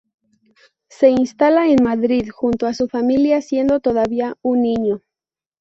Se instala en Madrid, junto a su familia siendo todavía un niño.